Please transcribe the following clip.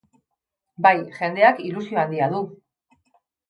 Bai, jendeak ilusio handia du.